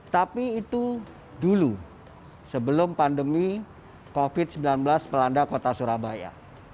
tapi itu dulu sebelum pandemi covid sembilan belas melanda kota surabaya